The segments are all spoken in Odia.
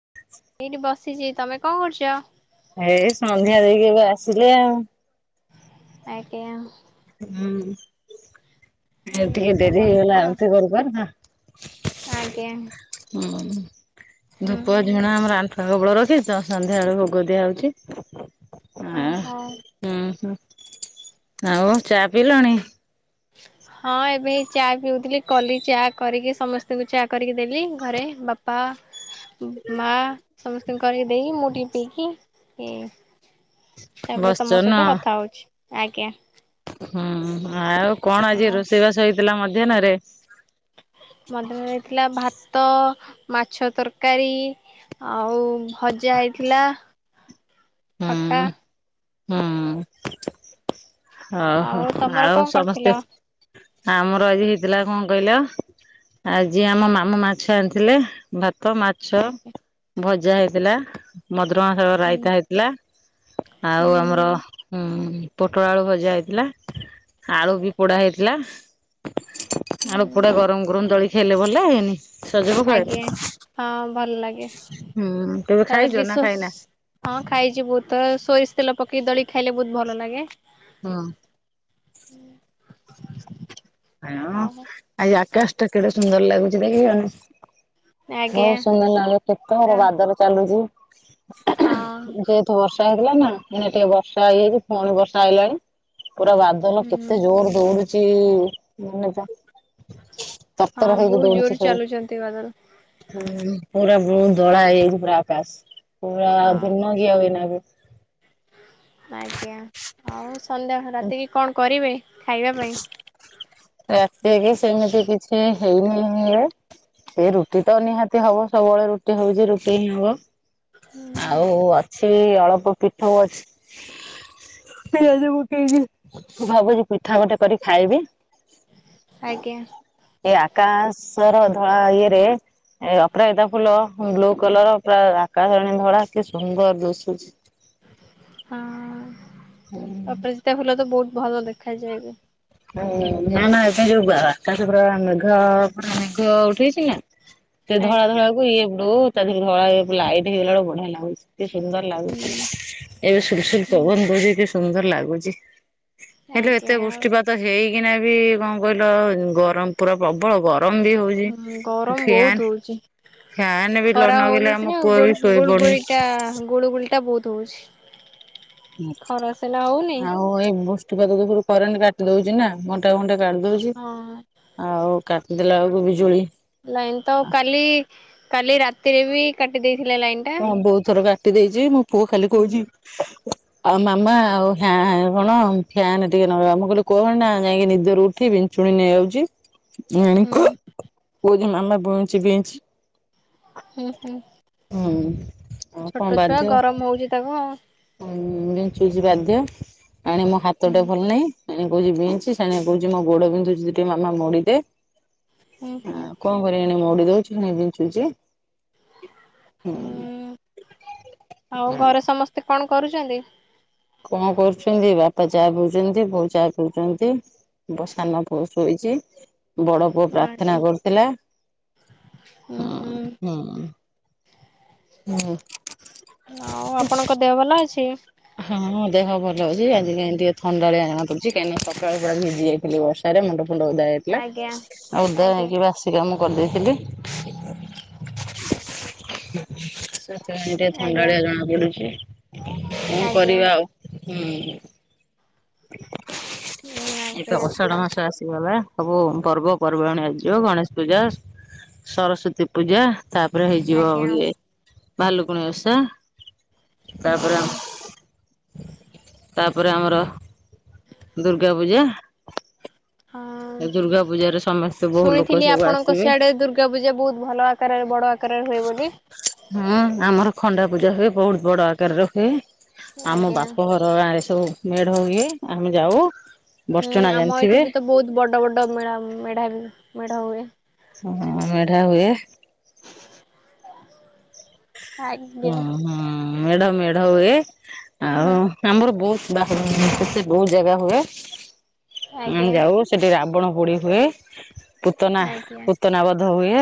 [inaudible] ଏଇଠି ବସିଛି ତମେ କଣ କରୁଛ? ଏଇ ସନ୍ଧ୍ୟା ଦେଇକି ଏବେ ଆସିଲି ଆଉ ଆଜ୍ଞା। ହୁଁ ଏ ଟିକେ ଏଇ ଡେରି ବସିଥିଲି ହେଇଗଲା ଆଉ ଆଳତି କରୁକରୁକା। ଆଜ୍ଞା। ହୁଁ ଧୂପ ହୁଁ। ଝୁଣା ଆମର ଆଣ୍ଠୁଆ [unintelligible] ରଖିଛ ସନ୍ଧ୍ୟା ବେଳକୁ ଭୋଗ ଦିଆ ହଉଛି। ଓହୋ ଆଁ ଉଁ ହୁଁ, ଆଉ ଚା ପିଇଲଣି। [inaudible] ହଁ ଏବେ ଚା ପିଉଥିଲି। କଲି ଚା କରିକି ସମସ୍ତଙ୍କୁ ଚା କରିକି ଦେଲି ଘରେ ବାପା ମା ସମସ୍ତଙ୍କୁ କରିକି ଦେଇକି, ମୁଁ ଟିକେ ପିଇକି ଇ ତାପରେ ବସିଛ ତମ ନା। ସହିତ କଥା ହଉଛି ଆଜ୍ଞା। ହୁଁ ଉଁ ଆଉ କଣ ଆଜି ଆଉ ରୋଷେଇବାସ ହେଇଥିଲା ମଧ୍ୟାହ୍ନରେ? ମଧ୍ୟାହ୍ନରେ ହେଇଥିଲା ଭାତ, ମାଛ ତରକାରୀ ଆଉ ଭଜା ହେଇଥିଲା, ହୁଁ। ଖଟା ହୁଁ। ଓହୋ ଆଉ ତମର ଆଉ କଣ କରିଥିଲ? ସମସ୍ତେ ଆମର ଆଜି ହେଇଥିଲା କଣ କହିଲ? ଆଜିି ଆମ ମାମୁଁ ମାଛ ଆଣିଥିଲେ ଭାତ, ମା ଛ ଆଜ୍ଞା ଭଜା ହେଇଥିଲା। ମଦରଙ୍ଗା ଶାଗ ହୁଁ ରାଇତା ହେଇଥିଲା ହୁଁ ଆଉ ଆମର ଉଁ ପୋ ପୋଟଳ ଆଳୁ ଭଜା ହେଇଥିଲା, ଆଳୁ ବି ପୋଡା ହେଇଥିଲା। ହୁଁ ଆଳୁ ହୁଁ। ପୋଡା ଗରମ ଗରମ ଦଳିିକି ଖାଇଲେ ଭଲ ଲାଗେନି। ସଜ ଆଜ୍ଞା ପଖାଳ ହୁଁ। ହଁ ଭଲ ଲାଗେ କେବେ ତା ଦେହରେ ଖାଇଛ ଟିକେ ନା ସୋସ୍ ଖାଇନା? ହଁ ଖାଇଛି ବହୁତ ଥର। ସୋରିଷ ତେଲ ପକେଇ ଦଳିକି ଖାଇଲେ ବହୁତ ଭଲ ଲାଗେ। ହୁଁ। [inaudible] ଓହୋ। ଆଜି ଆକାଶଟା କେଡେ ସୁନ୍ଦର ଲାଗୁଛି ଦେଖିଲଣି। ଆଜ୍ଞା ବହୁତ ସୁନ୍ଦର ଲାଗେ କେତକ ହବ ବାଦଲ ଚାଲୁଛି। ହଁ। ଯେହେତୁ ବର୍ଷା ହେଇଥିଲା ନା ଏଇନେ ଟିକେ ବର୍ଷା ହେଇଯାଇଛି ପୁଣି ବର୍ଷା ଆଇଲାଣି। ପୁରା ବାଦଲ ହୁଁ କେତେ ଜୋର ଦୌଡୁଛି ମାନେ ତ ତରତର ହଁ ହେଇକି ବହୁତ ଦୌଡୁଛି ଜୋରରେ ଖାଲି। ଚାଲୁଛନ୍ତି ବାଦଲ ହୁଁ ପୁରା ବ୍ଲୁ ଧଳା ହେଇଯାଇଛି ପୁରା ଆକାଶ ପୁରା ହଁ ଦିନ କିିଆ ହୁଏନା [unintelligible] ଆଜ୍ଞା। ଆଉ ସଂନ୍ଧ୍ୟା ହେ ରାତିକି କଣ କରିବେ ଖାଇବା ପାଇଁ? ରାତିକି ସେମିତି କିଛି ହେଇନି ଏବେ। ସେଇ ରୁଟି ତ ନିହାତି ହବ ସବୁବେଳେ ରୁଟି ହଉଛି ରୁଟି ହିଁ ହବ। ଆଉ ଅଛି ଅଳପ ପିଠଉ ଅଛି। ପିଆଜ ପକେଇକି ଭାବୁଛି ପିଠା ଗୋଟେ କରି ଖାଇବି। ଆଜ୍ଞା। ଏ ଆକାଶର ଧଳା ଇଏରେ ଏ ଅପରାଜିତା ଫୁଲ ବ୍ଲୁ କଲର ପୁରା ଆକାଶ [unintelligible] ଧଳା କି ସୁନ୍ଦର ଦିଶୁଛି। ହଁ ଅପରାଜିତା ଫୁଲ ତ ବହୁତ ଭଲ ଦେଖାଯାଏ ବି। ଉଁ ନା ନା ଏଟା ଯୋଉ ଆକାଶ ପୁରା ମେଘ ମେଘ ଉଠେଇଛି ନା ସେ ଧଳା ଆଜ୍ଞା ଧଳା କୁ ଇଏ ବ୍ଲୁ ତା ଦିହିକୁ ଧଳା ହେଇ ପୁରା ଲାଇଟ ହେଇଗଲା ବେଳକୁ ବଢିଆ ଲାଗୁଛି। କି ସୁନ୍ଦର ଲାଗୁଛି। ହୁଁ। ଏବେ ସୁଲସୁଲ ପବନ ଦଉଛି କି ସୁନ୍ଦର ଲାଗୁଛି। [unintelligible] ଆଜ୍ଞା ଏତେ ବୁଷ୍ଟ ଆଉ ତ ହେଇକିନା ବି କଣ କହିଲ ଗରମ ପୁରା ପ୍ରବଳ ଗରମ ବି ହଉ ହୁଁ ଗରମ ବହୁତ ହଉଚି। ଫ୍ୟାନ ବି ନ ଖରା ଲଗେଇଲେ ହଉନି ଆମ ସିନା ପୁଅ ବି ଗୁଳ ଶୋଇପଡୁନି। ଗୁଳଗୁଳି ଟା ଗୁଳଗୁଳି ଟା ବହୁତ ହଉଛି। ଖରା ସିନା ହଉନି ଆଉ ଏଇ ବୃଷ୍ଟିପାତ ଦ ଉପରୁ କରେଣ୍ଟ କାଟି ଦଉଛି ନା ଗଣ୍ଟା ଘୁଣ୍ଟା କାଟି ଦଉଛି ହଁ ଆଉ କାଟିଦେଲା ବେଳକୁ ବିଜୁଳି ଲାଇନ୍ ତ କାଲି କାଲି ରାତିରେ ବି କାଟି ଦେଇେଇଥିଲେ ଲାଇନ୍ ହଁ ବହୁତ ଥର କାଟି ଦେଇଛି ମୋ ପୁଅ ଖାଲି କହୁଛି ହୁଁ। ଆଉ ମାମା ଆଉ ଫା କଣ ଫ୍ୟାାନ ଟିକେ ନବା ମୁଁ କହିଲି କହ ନା ଯାଇକି ନିଦରୁ ଉଠିବି ଚୁଣି ନେଇଯାଉ ହୁଁ ଛିଣୀଙ୍କ କୁହୁଛି ମାମା ବଇ ବିଞ୍ଚି ବିଞ୍ଚି ହୁଁ ହୁଁ ହୁଁ। ଆଉ କଣ ଛୋଟ ଛୁଆ ବାଧ୍ୟ ଗରମ ହଉଛି ତାକୁ ଆଉ ବିଞ୍ଚୁଛି ବାଧ୍ୟ ଆଣି ମୋ ହାତଟା ହୁଁ ଭଲ ନାହିଁ। ସେଣେ କହୁଛି ବିି ସେଣ କହୁଛି ମୋ ଗୋଡ ବିନ୍ଧୁଛି ଟିକେ ମାମା ମୋଡିଦେ ହୁଁ କଣ କରିବା ଏଇନା ମଉଡି ଦଉଛି ପୁଣି ବିଞ୍ଚୁଚି ହୁଁ ଆଉ ଘରେ ସମସ୍ତେ କଣ କରୁଛନ୍ତି କଣ କରୁଛନ୍ତି ବାପା ଚାହା ପିଉଛନ୍ତି ବୋଉ ଚାହା ପିଉଛନ୍ତି ସାନ ପୁଅ ଶୋଇଛି ବଡ ପୁଅ ପ୍ରାର୍ଥନା କରୁଥିଲା ଉ ହୁଁ ହଁ ଆଉ ଆପଣଙ୍କ ଦେହ ଭଲ ଅଛି? ହଁ ହଁ ଦେହ ଭଲ ହଉଛି ଆଜି କାହିଁ ଟିକେ ଥଣ୍ଡାଳିଆ ଜାଣା ପଡୁଛି କାଁକି ସକାଳେ ପୁରା ଭିଜି ଯାଇଥିଲି ବ ରେ ମୁଣ୍ଡ ଫୁଣ୍ଡ ଓଧା ହେଇଥିଲା ଆଜ୍ଞା ଆଉ ଓଧା ଆଜ୍ଞା ହେଇକି ବାସି କ ମୁ କରିଦେଇଥିଲି ସେଥିପାଇଁ ଟିକେ ଆଜ୍ଞା ଥଣ୍ଡାଳିଆ ଜଣା ପଡୁଛି। ହଁ ଆଜ୍ଞା କରିବା ଆଉ ହୁଁ ହୁଁ ଏବେ ଆଜ୍ଞା ଅଷାଢ ମାଂସ ଆସ ବା ସବୁ ପର୍ବପର୍ବାଣି ଆଯିବ ଗଣେଶ ପୂଜା ସରସ୍ଵତୀ ପୂଜା ତାପରେ ହେଇଯିବ ଆଉ ଆଜ୍ଞା ଇଏ ଭାଲୁକୁଣି ଉସା ହୁଁ ତାପରେ ଆ ତାପରେ ଆମର ହଁ ଦୁର୍ଗା ପୂଜା ହଁ। ଦୁର୍ଗା ପୂଜା ରେ ସମସ୍ତେ ସ ଶୁଣିଥିଲି ଆପଣଙ୍କ ସିଆଡ଼େ ଦୁର୍ଗା ପୂଜା ବହୁତ ଭଲ ଆକାରରେ ବଡ଼ ଆକାରରେ ହୁଏ ବୋଲି ହୁଁ ଆମର ଖଣ୍ଡା ପୂଜା ହୁଏ ବହୁତ ବଡ ଆକାରରେ ହୁଏ ଆମ ଆଜ୍ଞା ବାପ ଘ ଗାଁରେ ସବୁ ମେଢ ହୁଏ ଆମେ ଯାଉ ହୁଁ ବର୍ଚଣା ଆମ ଜାଣିଥିବେ ଏଇଠି ବି ତ ବହୁତ ବଡ ବଡ ମ ମେଢା ମେଢ ହୁଏ। ହ ମେଢା ହୁଏ। ହଁ ଆଜ୍ଞା ହଁ ମେଢ ମେଢ ହଏ। ହଁ ଆମର ବହୁତ ବାହାଘ ସେ ବହୁତ ଜାଗା ହୁଏ ଆମେ ଆଜ୍ଞା ଯାଉ ସେଠି ରାବଣ ପୋଡି ହୁଏ। ପୁତନା ଆଜ୍ଞା ପୁତନା ବୋଧ ହୁଏ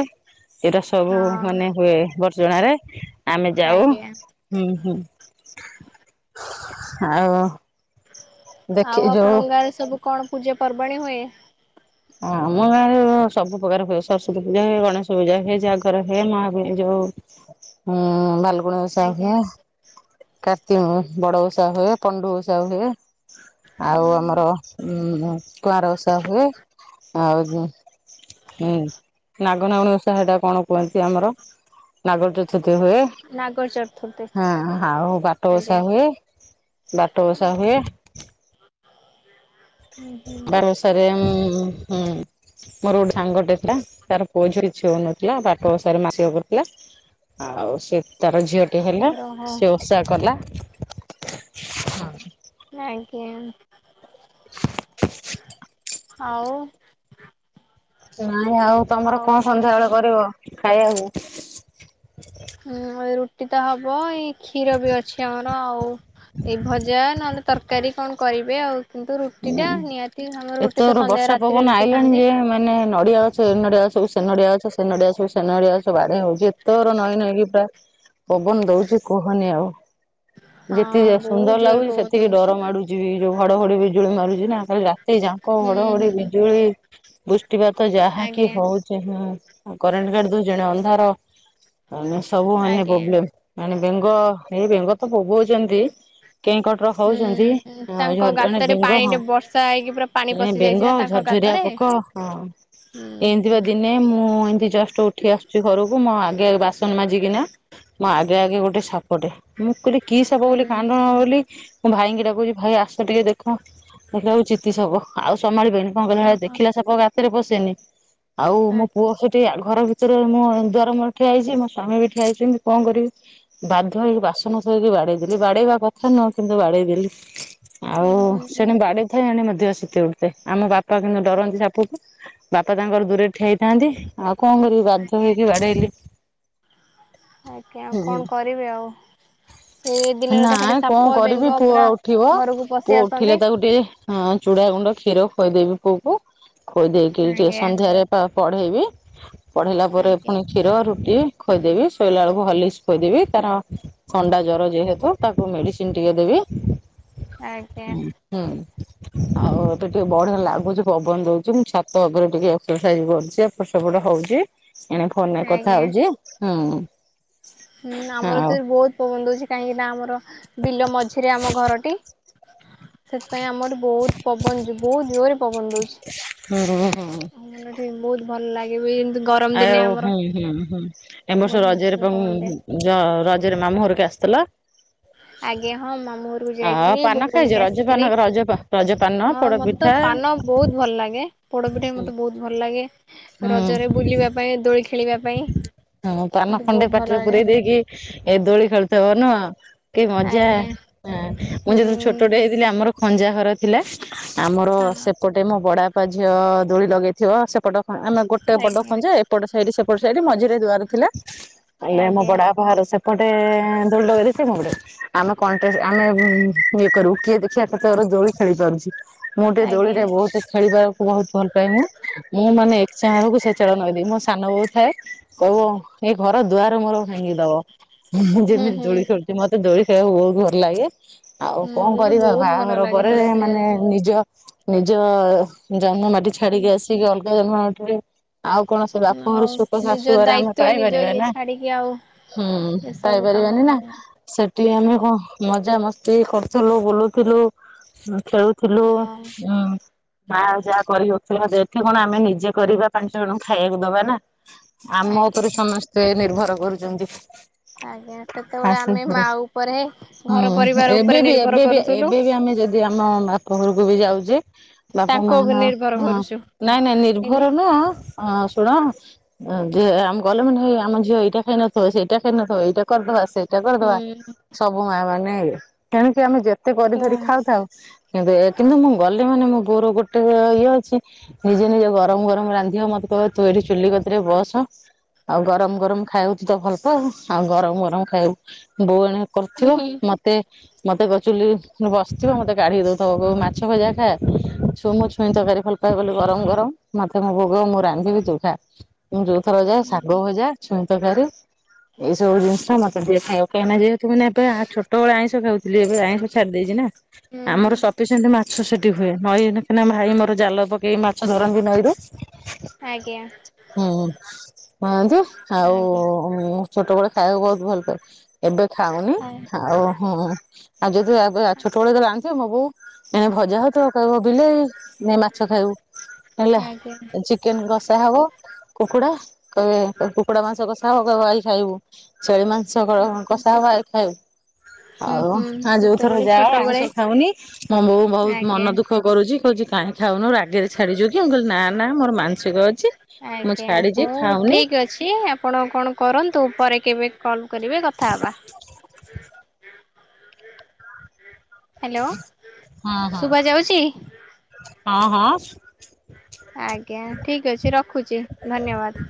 ଏଇଟା ସବୁ ହଁ ମାନେ ହୁଏ ବ ଜଣାରେ ଆମେ ଯାଉ ଆଜ୍ଞା। ହୁଁ ହୁଁ ଆଉ ଦେଖି ଆଉ ଯୋଉ ଆପଣଙ୍କ ଗାଁରେ ସବୁ କଣ ପୂଜା ପର୍ବାଣୀ ହୁଏ ହ ଆମ ଗାଁ ରେ ସବୁପ୍ରକାର ହୁଏ ସରସ୍ଵତୀ ପୂଜା ହୁଏ ଗଣେଶ ପୂଜା ହୁଏ ଜାଗର ହୁଏ ମାହା ଯୋଉ [unintelligible] ହୁଁ ବାଲକୁଣୀ ଓଷା ଆଜ୍ଞା ହୁଏ। କାର୍ତ୍ତିକ ବଡ଼ ଓଷା ହୁଏ ପଣ୍ଡୁ ଓଷା ହୁଏ। ଆଉ ଆମର ଉଁ କୁଆଁର ଓଷା ହୁଏ ଆଉ ହୁଁ ନାଗନାଗୁଣି ଓଷା ହେଟାକଣ କୁହନ୍ତି ଆମର ନାଗ ଚତୁର୍ଥୀ ହୁଏ। ନାଗ ଚତୁର୍ଥୀ। ହଁ ଆଉ ବାଟ ଓଷା ଆଜ୍ଞା। ହୁଏ ବାଟ ଓଷା ହୁଏ। ହୁଁ ହୁଁ ବାର ଓଷାରେ ଉଁ ହୁଁ। ମୋର ଗୋଟେ ସାଙ୍ଗଟେ ଥିଲା ତାର ପୁଅ ଝିଅ କିଛି ହଉନଥିଲା ବାଟ ଓଷାରେ ମାନସିକ କରିଥିଲା। ଆଉ ସେତାର ଝିଅଟି ହେଲା ଗ୍ରହ ସେଓଷା କଲା। ଆଜ୍ଞା ଆଉ? ନାଇଁ ଆଉ ତମର କଣ ସନ୍ଧ୍ୟାବେଳେ କରିବ ଖାଇବାକୁ? ଉଁ ରୁଟିତ ହବ ଏଇ କ୍ଷୀରବି ଅଛି ଆମର ଆଉ। ଏଇ ଭଜା ନହେଲେ ତରକାରୀ କଣ କରିବେ ଆଉ କିନ୍ତୁ ରୁଟିଟା ନିହାତି ଆମର ରୁଟି ତ ଏତକର ସନ୍ଧ୍ୟା ବର୍ଷା ରାତିରେ ପବନ ରୁଟି ଖାଆନ୍ତି। ଆଇଲାଣିଯେ ମାନେ ନଡ଼ିଆ ଗଛ ଏନଡ଼ିଆ ଗଛକୁ ସେନଡ଼ିଆ ଗଛ ସେନଡ଼ିଆ ସେନଡ଼ିଆ ଗଛ ବାଡ଼େଇ ହଉଚି ଏତେର ନଈ ନଈକି ପୁରା ପବନ ଦଉଚି କୁହନି ଆଉ। ହଁ ଯେତିକି ବହୁତ ସୁନ୍ଦର ଜୋର ଲାଗୁଚି ପବନ ସେତିକି ଦଉଛି ଡର ମାଡ଼ୁଚିବି ଯୋଉ ଘଡ଼ଘଡ଼ି ବିଜୁଳି ମାରୁଚିନା କାଲିରା ତିଯାଙ୍କ ହୁଁ ଘଡ଼ଘଡ଼ି ହୁଁ ବିଜୁଳି ବୃଷ୍ଟିପାତ ଯାହାକି ଆଜ୍ଞା ହଉ ହୋଉଚି ହଁ କରେଣ୍ଟ କାଟି ଦେଉଚି ଏଣେ ଅନ୍ଧାର ସବୁ ମାନେ ଆଜ୍ଞା। ପ୍ରୋବ୍ଲେମ୍। ଏଣେ ବେଙ୍ଗ ଏଇ ବେଙ୍ଗତ ବୋବୋଉଚନ୍ତି। କେଁ କଟର ହଉଚନ୍ତି ହୁଁ ଅଁ ତାଙ୍କ ଜଣେ ଜଣେ ଗାତରେ ପାଣି ଟେ ବେଙ୍ଗଅଁ। ବର୍ଷା ହେଇକି ପୁରା ପା ଏ ବେଙ୍ଗ ଝରଝରିଆ ପୋକ ହଁ ହୁଁ ଏ ମିତିପା ଦିନେ ମୁଁ ଏମତି ଜଷ୍ଟ ଉଠି ଆସୁଚି ଘରକୁ ମୋଆଗେ ବାସନ ମାଜିିକିନା ମା ଆଗେ ଆଗେ ଗୋଟେ ସାପଟେ ମୁଁ କହିଲି କିସାପ ବୋଲି ଆଜ୍ଞା କାଣ୍ଡୁନଳି ବୋଲି ମୁଁ ଭାଇଙ୍କି ଡାକୁଚି ଭାଇ ଆସ ଟିକେ ଦେଖ ଦେଖିଲା ବେଳକୁ ଚିତି ସାପ ଆଉ ସମାଳିମିନି କଣ କଲା ଭାଇ ଓହୋ ଦେଖିଲା ସାପ ଗାତରେ ପସେନି ଆଉ ମୋ ପୁଅ ଆଜ୍ଞା ଖା ଟେ ଘର ଭିତରେ ମୋଦ୍ୱାର ମୁହଁରେ ଠିଆ ହେଇଚି ମୋ ସ୍ଵାମୀବି ଠିଆ ହେଇଚନ୍ତି କଣ କରିବି ବାଧ୍ୟ ହେଇକି ବାସନ ଥୋଇକି ବାଡ଼େଇଦେଲି ବାଡେ଼ଇବା କଥା ନୁହଁ କିନ୍ତୁ ବାଡ଼େଇଦେଲି। ଆଉ ହୁଁ ହୁଁ ସେଣେ ମାଡ଼େଇଥାଏ ଏଣେ ମଦେହ ଶୀତଇଉଠୁଥାଏ ଆମ ବାପା କିନ୍ତୁ ଡରନ୍ତି ସାପକୁ ବାପା ତାଙ୍କର ଦୂରରେ ଠିଆ ହେଇଥାନ୍ତି ଆଉ କଣ କରିବୁ ବାଧ୍ୟ ଆଜ୍ଞା ହେଇକି ବାଡ଼େଇଲି। ଆଜ୍ଞା ଆଉ କଣ କରିବେ ଆଉ? ସେ ଦିନରେ ତ ଖାଲି ନାଇଁ କଣ ସାପ କରିବି ବେଙ୍ଗ ପୁଅ ପୁରା ଉଠିବ ଘରକୁ ପଶି ପୁଅ ଆସନ୍ତି ଉଠିଲେ ତାକୁ ଟିକେ ହଁ ଚୁଡା ଗୁଣ୍ଡ କ୍ଷୀର ଖୁଏଇଦେବି ପୁଅକୁ ଖୁଏଇ ଦେଇକି ଟିକେ ଆଜ୍ଞା ସନ୍ଧ୍ୟାରେ ପଢେଇବି ପଢ଼େଇଲା ପରେ ଆଜ୍ଞା ପୁଣି କ୍ଷୀର ରୁଟି ଖୋଆଇଦେବି ଶୋଇଲା ବେଳକୁ ହର୍ଲିକ୍ସ ଖୁଆଇଦେବି ତାର ଥଣ୍ଡା ଜ୍ଜ୍ୱର ଯେହେତୁ ତାକୁ ମେଡ଼ିସିନ୍ ଟିକେ ଦେବି ଆଜ୍ଞା ହୁଁ। ଆଉ ଏବେ ଟିକେ ବଢ଼ିଆ ଲାଗୁଚି ପବନ ଦଉଚି ମୁଁ ଛାତ ଉପରେ ଟିକେ ଏକ୍ସରସାଇଜ କରୁଚି ଆ ଏପଟ ସେପଟ ହଉଚି ଏଣେ ଫୋନରେ କଥା ଆଜ୍ଞା। ହଉଚି ହୁଁ। ହୁଁ ଆଉ ଆମରତ ବହୁତ୍ ପବନ ଦେଉଚି କାହିଁକି ନାଁ ଆମର ବିଲ ମଝିରେ ଆମ ଘରଟି। ସେଥିପାଇଁ ଆମର ବହୁତ୍ ପବନ ଯ ବହୁତ୍ ଜୋରେ ପବନ ଦଉଚି। ହଁ ହଁ ହଁଁ। ବହୁତ୍ ଭଲ ଲାଗେବି ଏ ଆ ଆଉ ହୁଁ ହୁଁ ହୁଁ ଏବର୍ଷ ବହୁତ ଭଲ ରଜରେପା ହୁଁ ପବନ ହୁଁ ଦିଏ। ହୁଁ। ଯ ରଜରେ ମାମୁଁ ଘରକୁ ଆସିଥିଲ? ଆଜ୍ଞ ହଁ ମାମ ଘରୁ ଆ ଯାଇଥିଲି ପାନ ବୁଲି ଖାଇଛ ବୁଲିକି ରଜ ପାନ ଆସିଥିଲି, ରଜ ରଜ ପାନ ହଁ ପୋଡ ମତେ ତ ପିଠା ପାନ ବହୁତ ଭଲ ଲାଗେ ପୋଡପିଠା ମତେ ବହୁତ ଭଲ ଲାଗେ। ହୁଁ ରଜରେ ବୁଲିବା ପାଇଁ ଦୋଳି ଖେଳିବା ପାଇଁ ହଁ ପାନ ମତେ ଖଣ୍ଡେ ବହୁତ ଭଲ ପାଟିରେ ଲାଗେ। ପୁରେଇ ଦେଇକି ଏ ଦୋଳି ଖେଳିଥବନ କି ମଜା ଆଜ୍ଞା ମୁଁ ଯେତେବେଳେ ହୁଁ। ଛୋଟ ଆମର ଖଞ୍ଜା ଘର ଥିଲା ଆମର ହଁ ସେପଟ ଗୋଟେ ମୋ ବଡବାପା ଝିଅ ଦୋଳି ଲଗେଇଥିବ, ସେପଟ ହଁ ଆମେ ଗୋଟେ ବଡ ଆଜ୍ଞା ଖଞ୍ଜା ଏପଟ ସାଇଡ ସେପଟ ସାଇଡ ମଝିରେ ଦୁଆର ଥିଲା। ହେଲେ ଆମ ଆଜ୍ଞା ବଡା ବାହର ସେ ପଟେ ଦୋ [unintelligible] ସେଡେ ଆମେ କଣ [unintelligible] ଆମେ ଇଏ କରୁ କିଏ ଦେଖିବା ସେଚର ଦୋଳି ଖେଳି ପା [unintelligible] ମୁଁ ଟେ ଆଜ୍ଞା ଦୋଳିରେ ବହୁତ ଖେଳିବାକୁ ବହୁତ ଭଲ ପାଏ ମୁ ମୁଁ ମାନେ [unintelligible] ମୋ ସାନ ବୋଉ ଥାଏ, କହିବ ଏ ଘର ଦୁଆର ମୋର ଭାଙ୍ଗି [unintelligible] ହୁଁ ଯେମିତି ହୁଁ। ଦୋଳି ଖୋଳୁଛି ମତେ ଦୋଳି ଖେଳକୁ ବହୁତ ଭର ଲାଗେ। ଆଉ କଣ ମତେ ତ କରିବା ବହୁତ ଭଲ ବାହାଘର ଲାଗେ ପରେ ଦୋଳି ମାନେ ଖେଳିବାକୁ। ନିଜ ନିଜ ଜନ୍ମ ମାଟି ଛାଡିକି ଆସିକି ଅଲଗା [unintelligible] ଆଉ କୌଣସି ବାପ ଘର ଆଉ ସୁଖ ନିଜ ଶାଶଘର ଆମେ ଦାୟିତ୍ଵ ନିଜ ପାଇପାରିବା ଇଏ ନା। ଛାଡିକି ଆଉ ହୁଁ ଏସବୁ କାମ ପାଇପାରିବାନି ହଁ ନା ସେଠି ଆମେ କଣ ମଜା ମସ୍ କରୁଥିଲୁ ବୁଲୁଥିଲୁ ଖେଳୁଥିଲୁ ମା ଯାହା କରି ନଥିଲା ସେଠି କଣ ଆମେ ନିଜେ କରିବା ପାଞ୍ଚ ଜଣଙ୍କୁ ଖାଇବାକୁ ଦବା ନା। ଆମ ଉପରେ ଆଜ୍ଞା ସମସ୍ତେ ନିର୍ଭର କରୁଛନ୍ତି। ଆଜ୍ଞା ସେତେବେଳେ ଆସ ଆମେ ମା ପରେ ଉପରେ ଘର ହୁଁ ପରିବାର ଏବେ ଉପରେ ବି ନିର୍ଭର ଏବେ ବି କରୁ ଏବେ ବି ଆମେ ଯଦି ଆମ ବାପଘରକୁ ବି ଯାଉଛେ ବାପା ତାଙ୍କ ମା ଉପରେ ନିର୍ଭର କରୁଛୁ ନାଇଁ ନାଇଁ ହେଲେ ନିର୍ଭର ନ ଶୁଣ ଆେ ଗଲେ ମାନେଇ ଆମ ଝିଅ ଏଇଟା ଖାଇନଥିବ ସେଇଟା ଖାଇ ନଥିବ ଏଇଟା କରିଦବା ଆସ। ପୂଜା କରିଦବା ହୁଁ ସବୁ ମା ମାନେ କିଣିକି ଆମେ ଯେତେ କରି ତ ଧରି ହୁଁ ଖାଉଥାଉ। କିନ୍ତୁ କିନ୍ତୁ ମୁଁ ଗଲେ ମାନେ ମୋର ଗୋଟେ ଇଏ ଅଛି ଗରମ ଗରମ ରାନ୍ଧିବ ମତେ କହ ତୁଇଠ ଚୁଲି କତିରେ ବସ୍। ଆଉ ଗରମ ଗରମ ଖାଇଉଛି ତ ଭଲ ପା ଆଉ ଗରମ ଗରମ ଖାଇାଉ ବୋଉଣୀ କରୁଥିବ ହୁଁ ମତେ ମତେ ମତେ ଚୁଲି ବସିଥିବ ମୋତେ କାଢି ଦଉଥିବ କୋଉ ମାଛ ଭଜା ଖାଏ। ଛୁଇଁ ଛୁଇଁ ତରକାରୀ ଭଲ ପାଇ ବୋଲି ଗରମ ଗରମ ମତେ ମୋ ଭୋଗ ମୁଁ ରାନ୍ଧିବି ଚୁଖା ଯୋଉଥର ଯା ଶାଗ ଭଜା। ଛଁ ତ କାରେ ଏଇ ସବୁ ଜିନିଷ ଟା ମତେ ଯିଏ ଖାଇବାକୁ କାଁ ଯ ଏବେ ଆ ଛୋଟବେଳେ ଆଇଁଷ ଖାଉଥିଲି ଏବେ ଆଇଁଷ ଛାଡି ଦେଇଛି ନା ଆମର ହୁଁ ସ ସେ ମାଛ ସେଠି ହୁଏ ନଈ କେ ଭାଇ ମୋର ଜାଲ ପକେଇ ମାଛ ଧରନ୍ତି ନଈ। ଆଜ୍ଞା ହୁଁ ହଁ ଯେ ଆଉ ଆଜ୍ଞା ଛୋଟବେଳେ ଖାଇବାକୁ ବହୁତ ଭଲ କ ଏବେ ଖାଉନି ହଁ ଆଉ ଆଉ ଯଦି ଛୋଟବେଳେ ଦେଲେ ଆଣିଥିବେ ଏ ଭଜା ହଉ ତିବ କହିବ ବିଲେ ମାଛ ଖାଇାଉ ହେଲା ଆଜ୍ଞା ଚିକେନ କଷା ହବ କୁକୁଡ଼ା କହେ କୁକୁଡ଼ା ମାଂସ କଷା ହବ କହ ଆଇ ଖାଇବୁ। ଛେଳି ମାଂସ କ କଷା ହବା ଖାଇ ହୁଁ ଆଉ ହୁଁ ହ ଯୋଉଥର ସେତେବେଳେ ଯାଅ ଛୋଟବେଳେ ଆଇଁଷ ଖାଉନି ମୁଁ ବୋ ବହୁତ ଆଜ୍ଞା ମନ ଦୁଃଖ କରୁଛି କହୁଛି କାଇଁ ଖାଉନୁ ରାଗରେ ଛାଡିଯାଉ କି ମୁଁ କହିଲି ନା ନା ମୋର ମାଂସିକ ଅଛି ମୁଁ ଆଜ୍ଞା ଛାଡିଛି ହଉ ଖାଉନି। ଠିକ ଅଛି ଆପଣ କଣ କରନ୍ତୁ ପରେ କେବେ କଲ୍ କରିବେ କଥା ହେବା। [inaudible] ହଁ ହଁ ହଁ ହଁ। ଆଜ୍ଞା ଠିକ୍ ଅଛି ରଖୁଛି ଧନ୍ୟବାଦ।